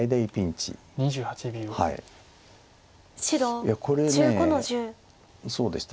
いやこれそうでした。